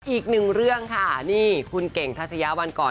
อีกหนึ่งเรื่องค่ะนี่คุณเก่งทัชยาวันก่อน